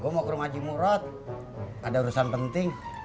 gue mau ke rumah jimurot ada urusan penting